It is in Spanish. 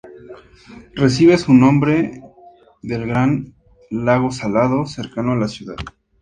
Recibe su nombre del Gran Lago Salado, cercano a la ciudad.